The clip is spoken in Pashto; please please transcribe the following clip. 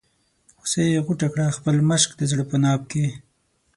هوسۍ غوټه کړه خپل مشک د زړه په ناف کې.